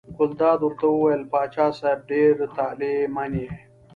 ګلداد ورته وویل: پاچا صاحب ډېر طالع من یې.